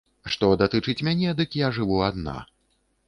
Што датычыць мяне, дык я жыву адна.